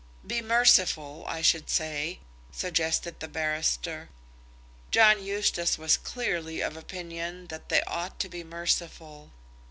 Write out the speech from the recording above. "Be merciful, I should say," suggested the barrister. John Eustace was clearly of opinion that they ought to be merciful.